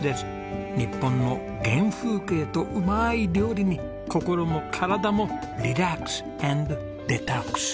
日本の原風景とうまい料理に心も体もリラックス＆デトックス！